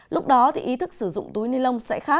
lúc đó thì ý thức sử dụng túi ni lông